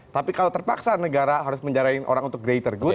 tapi kalau terpaksa negara harus menjarakan orang untuk greater good itu lebih bagus